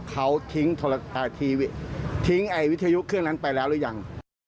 เขาทิ้งวิทยุเครื่องนั้นไปแล้วหรือยัง